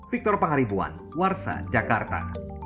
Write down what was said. victor pangaribuan warsa jakarta